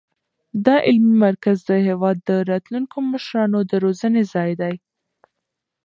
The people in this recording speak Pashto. دا علمي مرکز د هېواد د راتلونکو مشرانو د روزنې ځای دی.